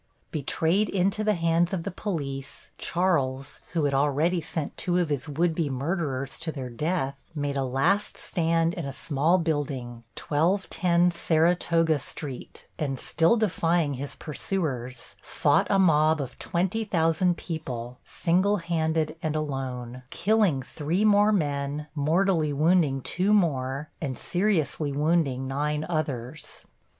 Betrayed into the hands of the police, Charles, who had already sent two of his would be murderers to their death, made a last stand in a small building, 1210 Saratoga Street, and, still defying his pursuers, fought a mob of twenty thousand people, single handed and alone, killing three more men, mortally wounding two more and seriously wounding nine others.